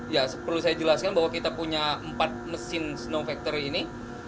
ya perlu saya jelaskan bahwa kita punya empat mesin snow factory ini